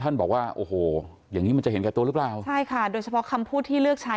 บอกว่าโอ้โหอย่างงี้มันจะเห็นแก่ตัวหรือเปล่าใช่ค่ะโดยเฉพาะคำพูดที่เลือกใช้